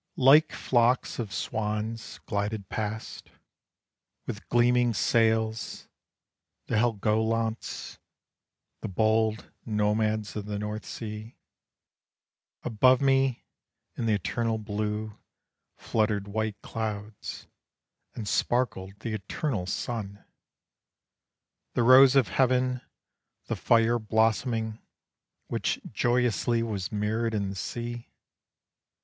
Like flocks of swans glided past, With gleaming sails, the Helgolands, The bold nomads of the North Sea. Above me in the eternal blue Fluttered white clouds, And sparkled the eternal sun, The Rose of heaven, the fire blossoming, Which joyously was mirrored in the sea.